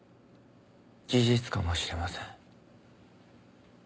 事実かもしれません。